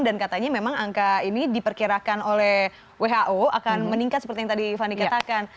dan katanya memang angka ini diperkirakan oleh who akan meningkat seperti yang tadi fani katakan